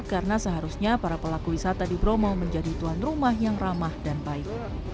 karena seharusnya para pelaku wisata di bromo menjadi tuan rumah yang ramah dan baik